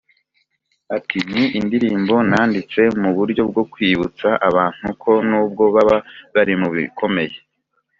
Ati “ Ni indirimbo nanditse mu buryo bwo kwibutsa abantu ko nubwo baba bari mu bikomeye